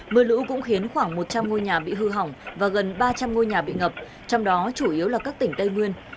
mưa lũ cũng khiến khoảng một trăm linh ngôi nhà bị hư hỏng và gần ba trăm linh ngôi nhà bị ngập trong đó chủ yếu là các tỉnh tây nguyên